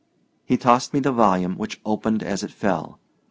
He tossed me the volume, which opened as it fell.